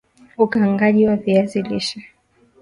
Ukaangaji wa viazi lishe